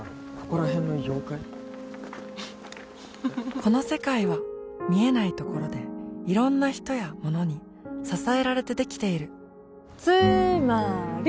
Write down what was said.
この世界は見えないところでいろんな人やものに支えられてできているつーまーり！